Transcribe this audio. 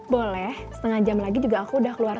boleh setengah jam lagi juga aku akan datang ke tempatmu